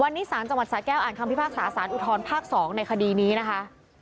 วันนี้ศาลจังหวัดศาลแก้วอ่านคำพศศอุทธรรมภ๒ในคดีนี้นะคะ